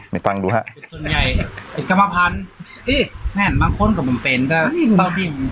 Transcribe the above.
ไม่ต้องดูฮะ